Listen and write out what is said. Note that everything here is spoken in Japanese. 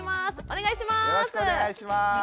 お願いします。